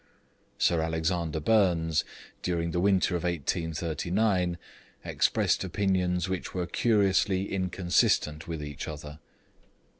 Sir Alexander Burnes, during the winter of 1839, expressed opinions which were curiously inconsistent with each other.